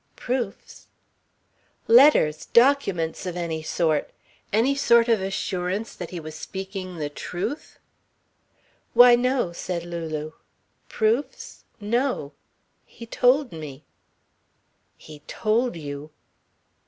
"Proofs?" "Letters documents of any sort? Any sort of assurance that he was speaking the truth?" "Why, no," said Lulu. "Proofs no. He told me." "He told you!"